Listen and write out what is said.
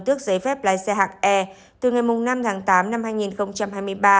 tước giấy phép lái xe hạng e từ ngày năm tháng tám năm hai nghìn hai mươi ba